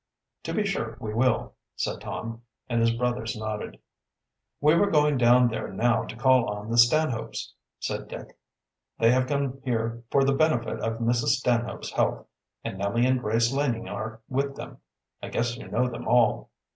"To be sure we will," said Tom, and his brothers nodded. "We were going down there now to call on the Stanhopes," said Dick. "They have come here for the benefit of Mrs. Stanhope's health, and Nellie and Grace Laning are with them. I guess you know them all."